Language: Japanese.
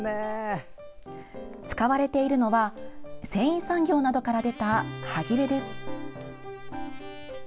使われているのは繊維産業などから出たはぎれです。